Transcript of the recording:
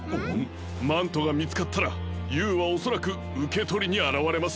マントがみつかったらＵはおそらくうけとりにあらわれます。